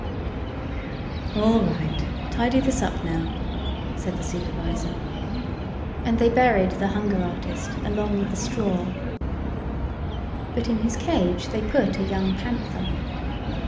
"All right, tidy this up now," said the supervisor. And they buried the hunger artist along with the straw. But in his cage they put a young panther.